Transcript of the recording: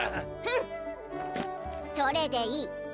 フンそれでいい